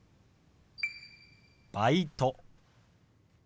「バイト」。